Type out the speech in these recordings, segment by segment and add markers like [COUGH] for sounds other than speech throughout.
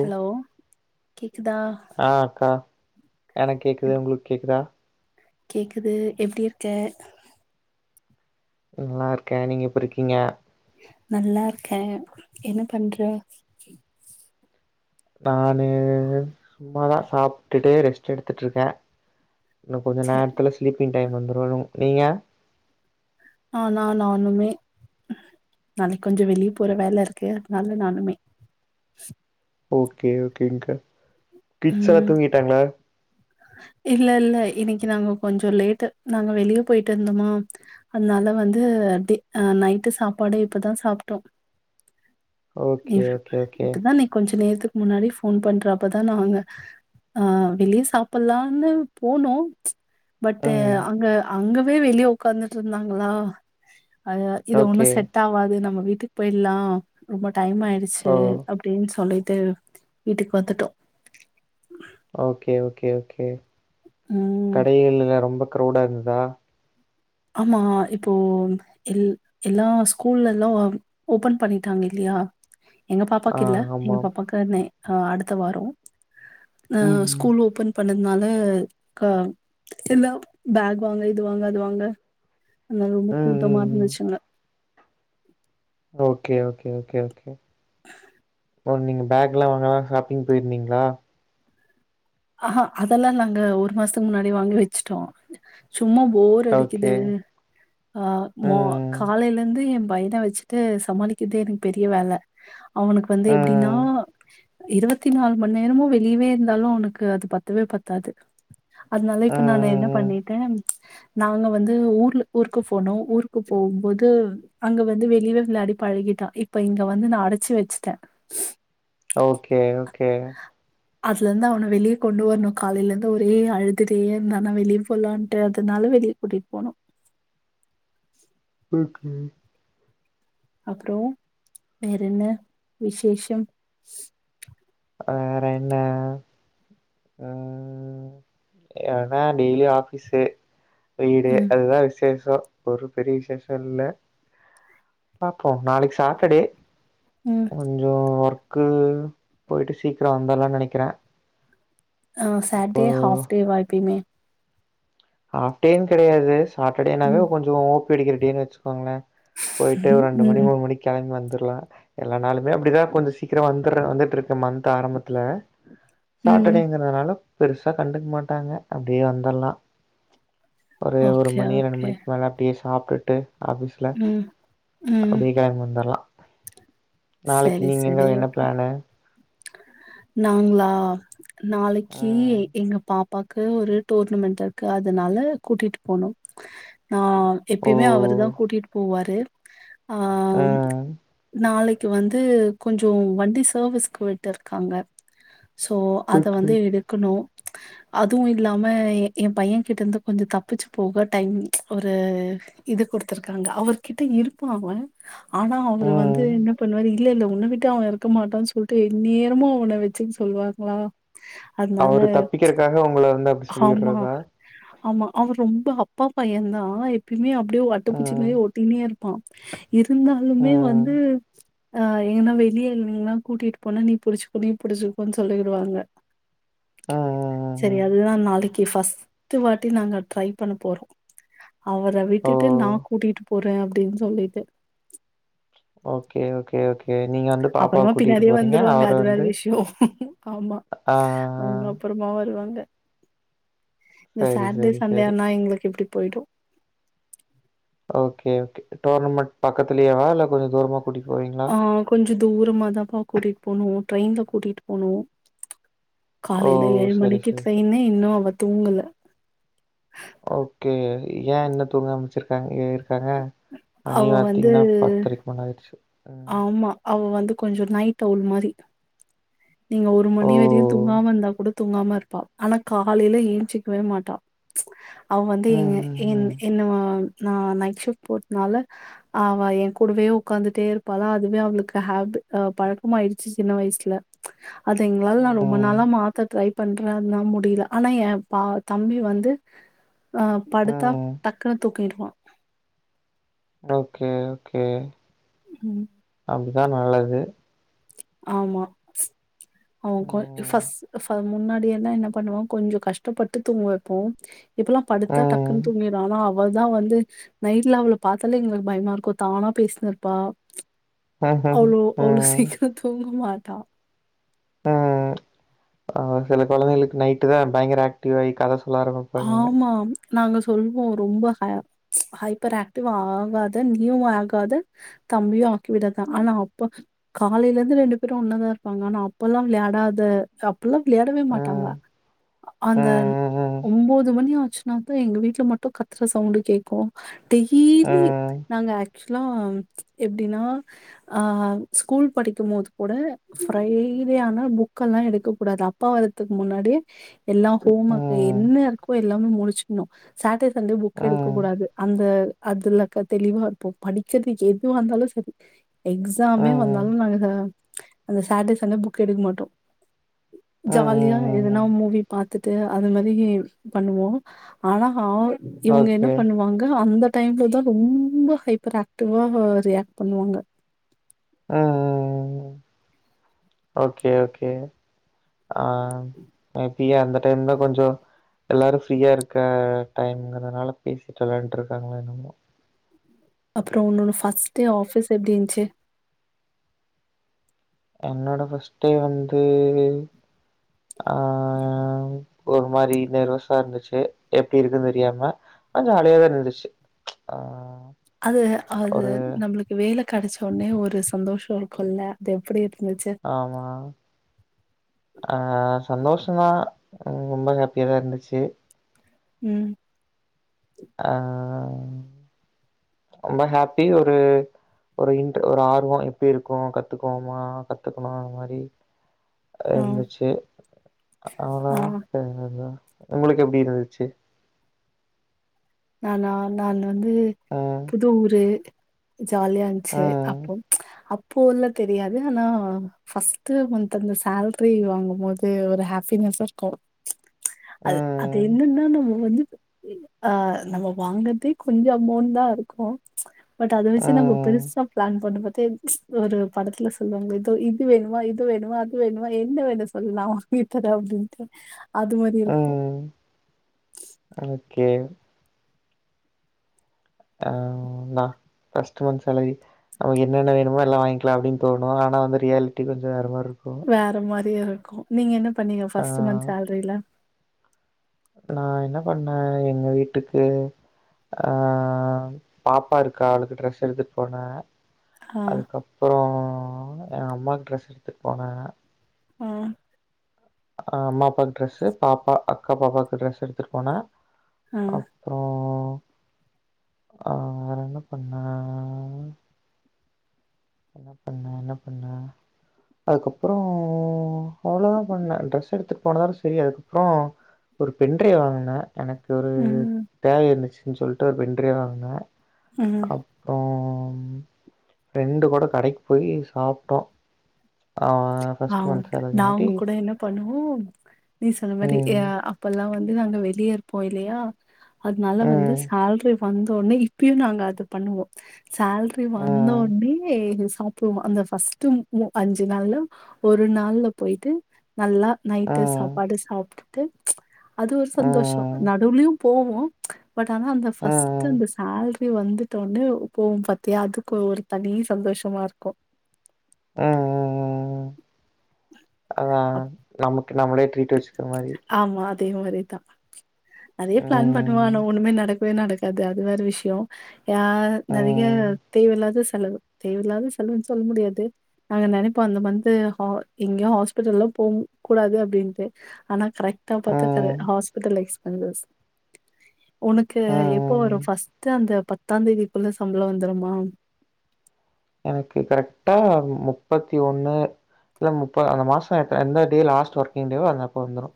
Hello கேக்குதா ஆ அக்கா எனக்கு கேக்குது உங்களுக்கு கேக்குதா கேக்குது எப்டி இருக்க நல்லா இருக்கே நீங்க எப்டி இருக்கீங்க நல்லா இருக்கே என்ன பண்ற நானு சும்மாதா சாப்ட்டுட்டு ரெஸ்ட் எடுத்துட்டு இருக்கே இன்னு கொஞ்ச சரி நேரத்துல ஸ்லீப்பிங் டைம் வந்துரு நீங்க ஆனா நானுமே நாளைக்கி கொஞ்சோ வெளிய போற வேல இருக்கு அதனால நானுமே ஓகே ஓகேங்கக்கா கிட்ஸ் எல்லா ம் தூங்கிட்டாங்களா இல்ல இல்ல இன்னக்கி நாங்க கொஞ்சோ லேட்டு நாங்க வெளிய போயிட்டு வந்தோமா அதனால வந்து அப்டியே ஆ நைட்டு சாப்பாடே இப்பதா சாப்ட்டோ இ ஓகே ஓகே ஓகே இப்பதானே கொஞ்ச நேரத்துக்கு முன்னாடி ஃபோன் பண்ற அப்பதா நாங்க ஆ வெளிய சாப் ல்லான்னு போனோ பட் ம் அங்க அங்கவே வெளிய ஒக்காந்துட்டு இருந்தாங்களா ஆ இது ஒண்ணு ஓகே செட் ஆவாது நம்ம வீட்டுக்கு போயிடலா ரொம்ப டைம் ஓ ஆயிடுச்சி அப்டின் சொல்லிட்டு வீட்டுக்கு வந்துட்டோ ஓகே ஓகே ஓகே ம். கடைகள்ல எல்லா ரொம்ப கிரவ்ட்டா இருந்ததா ஆமா இப்போ எல் எல்லா ஸ்கூல்ல எல்லா ஓபன் பண்ணிட்டாங்க இல்லயா எங்க ஆ பாப்பாக்கு இல்ல எங்க ஆமா பாப்பாக்கு நே ஆ அடுத்த வாரோ அ ம் ஸ் ம் கூல் ஓபன் பண்ணதுனால க எல்லா பேக் வாங்க இது வாங்க அது வாங்க எல்லா ரொம்ப ம் கூட்டமா ம் ம் இருந்துச்சுங்க ஓகே ஓகே ஓகே ஓகே ஒரு நீங்க பேக்லா வாங்கலா ஷாப்பிங் போயிருந்தீங்ளா ஆஹா அதெல்லா நாங்க ஒரு மாசத்துக்கு முன்னாடியே வாங்கி வச்சுட்டோ சும்மா போர் அடிக்குது ஓகே ஆ மோ ம், காலைலந்து ஏ பையன வச்சு ட்டு சமாளிக்கிர்தே எனக்கு பெரிய வேல அவனுக்கு வந்து எப்டின்னா ம், இருவத்தி நாலு மணி நேரமு வெளியவே இருந்தாலு அவனுக்கு அது பத்தவே பத்தாது அதுனால இப்ப நானு என்ன ம். பண்ணிட்டே நாங்க வந்து ஊர்ல ஊருக்கு போனோ ஊருக்கு போகும்போது அங்க வந்து வெளியவே விளயாடி பழகிட்டா இப்ப இங்க வந்து நா அடச்சி வச்சிட்டே ஓகே ஓகே அதுலருந்து அவன வெளிய கொண்டு வரனு காலைலருந்து ஒரே அழுதுட்டேருந்தானா வெளிய போலாட்டு அதுனால வெளிய கூட்டிட்டு போனோ ம் ம் அப்றோ வேறென்ன விசேஷம் வேற என்ன அ என்னனா டெய்லியு ஆபிஸு வீடு ம், அதுதா விசேஷோ ஒரு பெரிய விசேஷோ இல்ல பாப்போ நாளைக் சாட்டர்டே ம். கொஞ்சோ ஒர்க்கு போயிட்டு சீக்ரோ வந்துர்லா நெனைக்குறே அ சாட்டே ஹாஃப் டேவா எப்பயுமே ஆஃப்டேன் கெடையாது சாட்டர்டேனாவே ம் கொஞ்சோ ஓபி அடிக்கிற டேனு வச்சுக்கோங்ளே போயிட்டு ஒ ம் ரெண்டு மணி ம் மூனு மணிக் கெளம்பி வந்துர்லா எல்லா நாளுமே அப்டிதா கொஞ்சோ சீக்ரோ வந்துர்ற வந்துட்ருக்க மந்த் ஆரம்பத்துல ம். சாட்டர்டேங்குறதுனால பெருசா கண்டுக் மாட்டாங்க அப்டியே வந்துர்லா ஒரு ஒரு ஓகே மணி ரெண்டு ஓகே மணிக்கு மேல அப்டியே சாப்டுட்டு ஆபீஸ்ல ம் ம் அப்டியே கெளம்பி வந்துர்லா நாளைக்கு நீங்க எங்கவ் என்ன பிளானு நாங்ளா நாளைக்கீ ம் எங்க பாப்பாக் கு ஒரு டோர்னமெண்ட் இருக்கு அதுனால கூட்டிட்டு போனூ நா ஓ எப்பயுமே அவருதா கூட்டிட்டு போவாரு ஆ ம் நாளைக்கு வந்து கொஞ்சோ வண்டி சர்வீஸ்க்கு விட் டுர்க்காங்க சோ அத ஓகே வந்து எடுக்கனு அதுவு இல்லாமய் ஏ பையெங்கிட்டர்ந்து கொஞ்சொ தப்பிச்சி போக டைம் ஒரு இது குடுத்துருக்காங்க அவர்கிட்ட இருப்பா அவ ஆனா அவரு வந்து ம் என்ன பண்ணுவாரு இல்ல இல்ல உன்ன விட்டு அவ இருக்க மாட்டான் சொல்ட்டு எந்நேரமூ அவன வச்சுக்க சொல்வாங்ளா அவரு தப்பிக்கிறக்காக ஒங்கள வந்து அப்டி ஆமா. சொல்லீர்றதா ஆமா அவ ரொம்ப அப்பா பையந்தா எப்பயுமே அப்டியோ அட்டப்பூச்சி ம் மாரி ஒட்டினே இரு பா இருந்தாலுமே ம் வந்து ஆ எங்கனா வெளியருந்தீங்னா கூட்டிட்டு போனா நீ புடிச்சிக்கோ நீ புடிச்சிக்கோன் சொல்லிருவாங்க ம் ம் சரி ம் அதுதா நாளைக்கி இ ஃபஸ்ட்டு வாட்டி நாங்க ட்ரை பண்ண போறோ அவர ஓ விட்டுட்டு நா கூட்டிட்டு போறே அப்டின் சொல்லிட்டு ஓக்கே ஓக்கே ஓக்கே அப்பறமா பின்னாடியே வந்துருவாங்க அது வேற வந்து விஷியொ ஆமா ஆ ஆ அவுங்க அப் அப்புறமா வருவாங்க இந்த சரி சாட்டடே சரி சரி சண்டேனா எங்களுக்கு இப்டி போயிடூ ஓக்கே ஓக்கே டோர்னமெண்ட் பக்கத்துலேவா இல்ல கொஞ்சொ தூரமா கூட்டிட்டு போவீங்ளா கொஞ்சு தூரமாதாப்பா கூட்டிட்டு போனு ட்ரெயின்ல கூட்டிட்டு போனு ஓ! காலையில ஏழு சரி மணிக்கு சரி சரி. ட்ரெயின்னு இன்னு அவ தூங்கல ஓக்கே ஏ இன்னு தூங்காம வச்சிருக்காங்க ஏ இருக்காங்க அவ மணியு வந்து பாத்தீங்கன்னா பத்தரைக்கு மேல ஆயிடுச்சு ம். ஆமா அவ வந்து கொஞ்சு நைட்டு ஒரு மாரி நீங்க ஒரு ஓ! மணி வரையு தூங்காம இருந்தா கூட தூங்காம இருப்பா ஆனா காலையில ஏன்சிக்கவே மாட்டா அவ வந்து ம் எங்க ம் என் ம். என்ன ஆ நா நைட் ஷிப்ட் போரதுனால ஆமா என் கூடவே உட்காந்துட்டே இருப்பாளா அதுவே அவளுக்கு ஹேபி சின்ன வயசில அதது எங்களால நா ரொம்ப ம். நாளா மாத்த ட்ரை பண்ற அதுனால முடியல ஆனா என் பா தம்பி வந்து ஆ படுத்தா ம். டக்குனு தூக்கிடுவா ஓக்கே ஓக்கே ம் அப்படிதா நல்லது ஆமா அவ கொஞ்சு ம். ஃபஸ் முன்னாடி எல்லா என்ன பண்ணுவோ கொஞ்சு கஷ்டப்பட்டு தூங்க வைப்போ இப்பல்லா படுத்தா ம். டக்குன்னு தூங்கிடுரோ அவ தா வந்து நைட்ல அவள பாத்தாலே எங்களுக்கு பயமா இருக்கு தானா பேசினிருப்பா ம். அவ்ளோ அவ்வளோ ம். சீக்கிரோ தூங்க மாட்டா உம் சில கொழந்தைகளுக்கு நைட்டு தா பயங்கர ஆக்டிவ் ஆகி கத சொ ஆமா நாங்க சொல்லுவோ ரொம்ப ஹ ஹைப்பர் ஆக்டிவ் ஆகாத நியுவ் ஆகாதே தம்பியு ஆக்கி விடாதா ஆனா அப்ப காலையில இருந்து ரெண்டு பேரு ஒண்ணதா இருப்பாங்க ஆனா அப்பெல்லா விளையாடாத அப்பல்லா விளையாடவே மாட்டாங்க ம். அந்த ம் ம் ம். ஒன்பது மணி ஆச்சு நா தா எங்க வீட்டுல மட்டு கத்துற சவுண்டு கேட்கு டெய்லி ம். நாங்க ஆக்சுவல எப்படின்னா ஆ ஸ்கூல் படிக்கும் போது கூட ஃப்ரைடே ஆனா புக்கெல்லா எடுக்கக்க கூடாது அப்பா வ க்கு முன்னாடியே எல்லா ஹோம் ம் ஒர்க ம் என்ன இருக்கோ எல்லாமே முடிச்சிருனு சாட்டடே சண்டே புக் எடுக்க ம் கூடாது அந்த அதுலக்க தெளிவா இருப்போ படிக்கிறதுக்கு எது வந்தாலு சரி எக்ஸாமே ம் ம் வந்தாலு அவ்வுளோ அழகா அந்த சாட்டடே சண்டே புக்கு எடுக்க மாட்டோ ஜாலிய ம் எதுனா ம் மூவி பாத்துட்டு அது மாதிரி பண்ணுவோ ஆனா ஆ இவங்க என்ன ஓகே பண்ணுவாங்க அந்த டைம்ல தா ரொம்ப ஹைப்பர் ஆக்டிவா ரியாக்ட் பண்ணுவாங்க ஆ ஓக்கே ஓக்கே ஆ ஃபிரியா அந்த டைம்ல கொஞ்சு எல்லாரு ஃப்ரீயா இருக்க டைம்ங்கிறதுனால பேசிட்டு விளையாண்டு இருக்காங்களா என்னமோ அப்புறோ உன்னோட ஃபஸ்ட்டே ஆஃபீஸ் எப்பிடின்ந்துச்சு என்னோட ஃபர்ஸ்ட்டே வந்து அ உம் ஒரு மாரி நெர்வஸா இர்ந்துச்சு எப்டி இருக்குன் தெரியாம ஆன் ஜாலியா இர்ந்துச்சு ஆ அது அது ஒரு நம்ளுக் வேல கெடச்ச உட்னே ஒரு சந்தோஷோ இருக்குல்ல அது எப்டி இர்ந்துச்சு ஆமா அ சந்தோஷந்தா அ ரொம்ப ஹேப்பியா தா இருந்துச்சு ம் அ ரொம்ப ஹேப்பி ஒரு ஒரு இன்ட்டு ஒரு ஆர்வோ எப்டி இருக்கு கத்துக்வோமா கத்துக்கணு அந்த மாரி ஆ, இர்ந்துச்சு அவ்ளா தா ஆ. அப்றோ என்னது உங்களுக்கு எப்டி இருந்துச்சி நானா நான் வந்து ஆ எதோரு ஜாலியா இர்ந்ச்சு ம் அப்போ அப் போல்லா தெரியாது ஆனா ஃபஸ்ட்டு மன்த் அந்த சேல்ரி வாங்கும் போது ஒரு ஹேப்பினஸ் இர்க்கு அது அது ம் என்னனா நம்ம வந்து எ ஆ நம்ம வாங்னதே கொஞ்ச அமௌண்ட் தா இருக்கு பட் அத வெச்சு நம்ம ம் பெருசா ப்ளான் பண்ணும்போது ஒரு படத்துல சொல்வாங்களே இதோ இது வேணுமா இது வேணுமா அது வேணுமா என்ன வேணும் சொல்லு நா வாங்கி தரே அப்டின்ட்டு அது மாரி இருக்கு ம் ஓகே ஆ நா ஃபஸ்ட்டு மன்த் சேலரி நமக்கு என்னென்ன வேணுமோ எல்லா வாய்ங்க்கலா அப்டின் தோணு ஆனா வந்து ரியாலிட்டி கொஞ்சோ வேற மார்ருக்கு வேற மாரி இருக்கு நீங்க என்ன பண்ணீங்க ஆ ஃபஸ்ட்டு மன்த் சேல்ரில நா என்ன பண்ணே எங்க வீட்டுக்கு அ பாப்பா இருக்கா அவளுக்கு ட்ரஸ் எடுத்துட் போனே ஆ அதுக்கப்பறோ எ அம்மாக்கு ட்ரஸ் எடுத்துட் போனே ம் அ அம்மா அப்பாக்கு ட்ரஸ்ஸு பாப்பா அக்கா பாப்பாக்கு ட்ரஸ் எடுத்துட் போன ஆ அப்றோ அ வேறென்ன பண்ணே என்ன பண்ணே என்ன பண்ணே அதுக்கப்றோ அவ்ளோதா பண்ணே ட்ரஸ் எடுத்துட் போனதோட செரி அதுக்கப்றோ ஒரு பென்ரைவ் வாங்குன எனக்கொரு ம் தேவை இருந்துச்சுன் சொல்ட்டு ஒரு பென்ரைவ் வாங்னே ம் அப் றோ ஃப்ரெண்டு கூட கடைக் போயி சாப்ட்டோ ஆ நாங்க கூட என்ன பண்ணுவோ நீ சொன்ன மாரி ஏ அ ப்பல்லா வந்து நாங்க வெளிய இருப்போ இல்லியா அத்னால வந்து சேல்ரி வந்தோன்னே இப்பயு நாங்க அது பண்ணுவோ சேல்ரி வந்தோன்னே ஏ இது சாப்டுவோ அந்த ஃபஸ்ட்டு ம் மொ அஞ்சு நாள்ல ஒரு நாள்ல போய்ட்டு நல்லா நைட்டு சாப்பாடு சாப்ட்டுட்டு அது ஒரு ஆ. சந்தோஷோ நடுவ்லியு போவோ பட் ஆனா அந்த ஆ. ஃபஸ்ட்டு அந்த சேல்ரி வந்துட்டோன்னே ம் போவோ பாத்தியா அதுக்கு ஒரு தனி சந்தோஷமா இருக்கு அ அ அ அ அ அதா அப் நமக்கு நம்மளே ட்ரீட் வெச்சுக்கிற மாரி ஆமா அதே மாரிதா நெறைய ப்ளான் பண்ணுவோ ம். ஆனா ஒன்னுமே நடக் மே நடக்காது அது வேற விஷ்யோ ஆ ஆ. நெறைய தேவ இல்லாத செலவு தேவ இல்லாத செலவுன் சொல்ல முடியாது நாங்க நெனைப்போ அந்த மந்து ஹா எங்கயு ஹாஸ்பிட்டல்லா போ கூடாது அப்டின் டு ஆனா கரெக்டா ஆ. பாத்தா கரெ ஹாஸ்பிடல் எக்ஸ்பென்டர்ஸ் உனக்கு எப்போ வரு ஆ. ஃபஸ்ட்ட் அந்த பத்தாந் தேதிக்குள்ள சம்பளோ வந்துருமா எனக்கு கரெக்டா முப்பத்தி ஒண்ணு இல்ல முப்ப அந்த மாசோ எத்த எந்த டே லாஸ்ட் ஒர்கிங் டேவோ அந்த அப்பா வந்துரு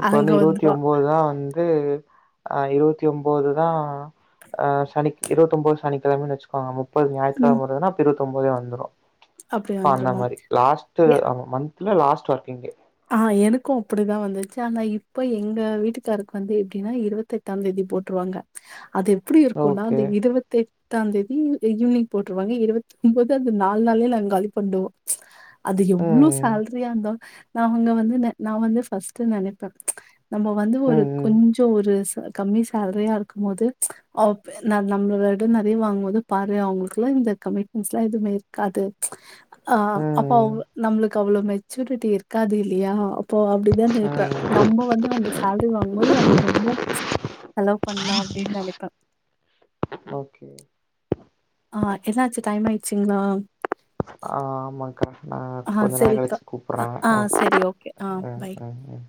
இப்ப அங்க வந்து இருவத்தி வந்துரும். ஒம்போது தா வந்து அ இருவத்தி ஒம்போது தா ஆ சனிக் இருவத்தொம்போ சனிக்கெழமன் வச்சுக்கோங்க முப்பது ம். ஞாயித்துகெழம வருதுனா‌ அப்ப இருவத்தொம்பதே வந்துரு அப்டி பந்த வந்துருமா? மாரி லாஸ்ட்டு எ ஆமா மந்த்ல லாஸ்ட் வொர்க்கிங் டே ஆ எனக்கூ அப்புடிதா வந்துச்சு ஆனா இப்ப எங்க வீட்டுக்காருக்கு வந்து எப்டின்னா இருவத்தெட்டாந் தேதி போட்ருவாங்க [INAUDIBLE] அது எப்டி இருக்குனா ஓகே. அந்த இருவத்தெட் டாந்தேதி ஈவ்னிங் போட்ருவாங்க இருவத்தி ஒம்போபது அது நாலு நாள்லே நாங்க காலி பண்டுவோ அது எவ்ளோ ம். சேல்ரியா இருந்தா நா அவங்க வந்து நா நா வந்து பஸ்டு நனைப்ப நம்ம வந்து ஒரு ம், ம். கொஞ்சோ ஒரு ச கம்மி சேலரியா இருக்கும் போது‌ அ பெ ந நம்மள விட நினறைய வாங்கும் போது பாரு அவங்களுக்குலா இந்த கமிட்மெண்ட்ஸ்லா எதுவுமே இருக்காது ஆ அப்ப அவ்வ ம், நம்ளுக்கு அவ்ளோ மெச்சூரிட்டி இருக்காது இல்லியா இப்போ அப்டிதா ‌நா இருப்ப ம். நம்ம வந்து அந்த சேல்டி வாங்கும்போது நம்ம ரொம்போ செலவ் பண்லா அப்டின் நெனைப்பே ஓக்கே ஆ என்னாச்சு டைமாயிட்ச்சுங்களா ஆ ஆமாக்கா நா ஆ கொஞ்ச நேர சரிக்கா. கழிச்சி அ கூப்புறே ஆ ஓக்கே சரி ஓகே. ஆ அ பை. அ அ அ